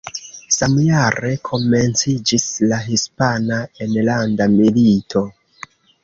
Samjare komenciĝis la Hispana Enlanda Milito.